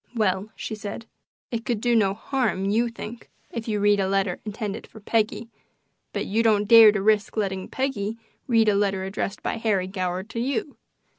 "Well," she said, "it could do no harm, you think, if you read a letter intended for Peggy, but you don't dare to risk letting Peggy read a letter addressed by Harry Goward to you.